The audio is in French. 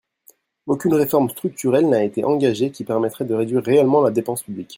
Aucune réforme structurelle n’a été engagée qui permettrait de réduire réellement la dépense publique.